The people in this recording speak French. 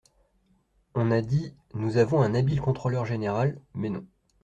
On a dit : Nous avons un habile contrôleur général, mais non.